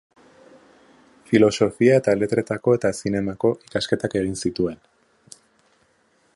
Filosofia eta letretako eta zinemako ikasketak egin zituen.